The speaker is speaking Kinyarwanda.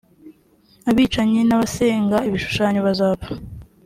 abicanyi n abasenga ibishushanyo bazapfa